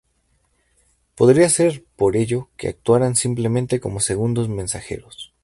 Podría ser, por ello, que actuaran simplemente como segundos mensajeros.